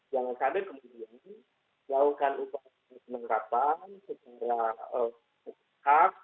jangan sampai kemudian melakukan upaya penerapan secara bertahap